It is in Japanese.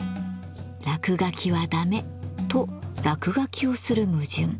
「落書きはダメ」と落書きをする矛盾。